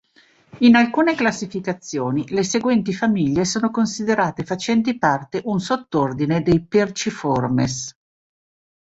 In alcune classificazioni le seguenti famiglie sono considerate facenti parte un sottordine dei Perciformes.